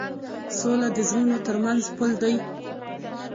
سوله د زړونو تر منځ پُل دی.